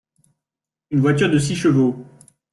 Une voiture de six chevaux.